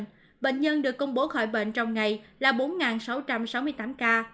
số bệnh nhân khỏi bệnh trong ngày là bốn sáu trăm sáu mươi tám ca